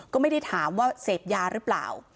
ก็ไม่ได้ถามว่าเสพยาหรือเปล่า